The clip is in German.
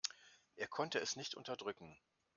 Er konnte es nicht unterdrücken.